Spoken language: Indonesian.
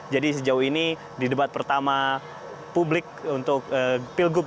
jadi sejauh ini di debat pertama publik untuk pilgub